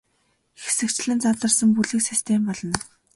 Хэсэгчлэн задарсан бүлэг систем болно.